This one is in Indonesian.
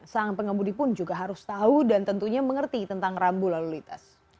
sang pengembudi pun juga harus tahu dan tentunya mengerti tentang rambu lalulitas